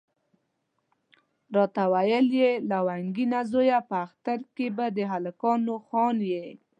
راته ویل یې لونګینه زویه په اختر کې به د هلکانو خان یې.